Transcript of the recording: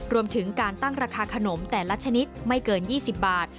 รวมถึงการตั้งราคาขนมแต่ละชนิดไม่เกิน๒๐บาท